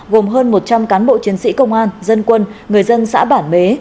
gồm hơn một trăm linh cán bộ chiến sĩ công an dân quân người dân xã bản mế